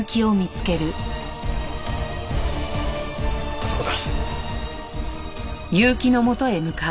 あそこだ！